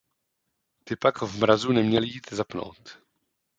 Ty pak v mrazu neměly jít zapnout.